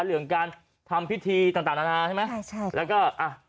เรื่องการทำพิธีต่างต่างนานาใช่ไหมใช่ใช่แล้วก็อ่ะ